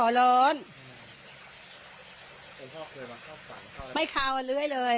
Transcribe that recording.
ผู้ชมโชควรมาเข้าสถานหรือครั้งไม่เข้าเล้ยเลย